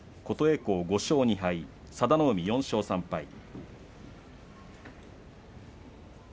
琴恵光５勝２敗佐田の海４勝３敗。